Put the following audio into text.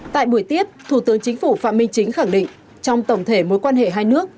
tại buổi tiếp thủ tướng chính phủ phạm minh chính khẳng định trong tổng thể mối quan hệ hai nước